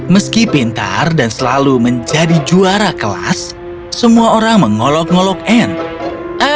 meski pintar dan selalu menjadi juara kelas semua orang mengolok ngolok anne